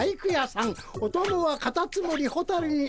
おともはカタツムリホタルにえぼし」。